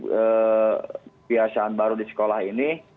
kebiasaan baru di sekolah ini